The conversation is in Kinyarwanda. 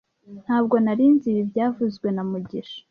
Ntabwo nari nzi ibi byavuzwe na mugisha